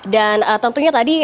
dan tentunya tadi